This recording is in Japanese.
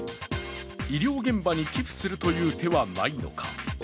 医療現場に寄付するという手はないのか。